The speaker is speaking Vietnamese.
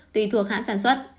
tùy thuộc hãng sản xuất